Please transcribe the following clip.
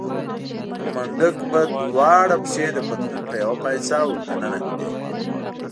خو منډک به دواړه پښې د پتلون په يوه پایڅه ور دننه کړې.